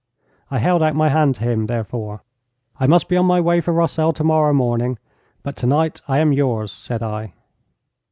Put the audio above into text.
I held out my hand to him, therefore. 'I must be on my way for Rossel tomorrow morning, but tonight I am yours,' said I.